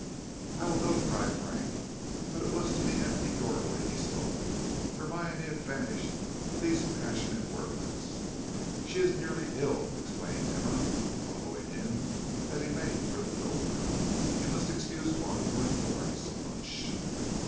"I will go," cried Frank. But it was to the empty doorway he spoke; Hermione had vanished with these passionate words. "She is nearly ill," explained Emma, following him as he made for the door. "You must excuse one who has borne so much."